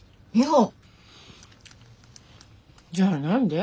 じゃあ何で？